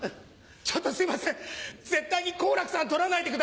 ちょっとすいません絶対に好楽さん撮らないでください！